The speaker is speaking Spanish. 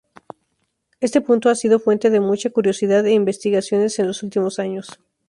Este punto ha sido fuente de mucha curiosidad e investigaciones en los últimos años.